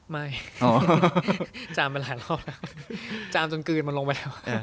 ไม่อ๋อจามไปหลายรอบแล้วจามจนกลืนมันลงไปแล้ว